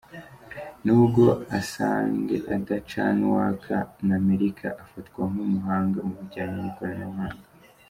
Nubwo Assange adacana uwaka na Amerika, afatwa nk’umuhanga mu bijyanye n’ikoranabuhanga.